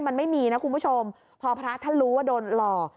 มันไม่มีนะคุณผู้ชมพอพระท่านรู้ว่าโดนหลอก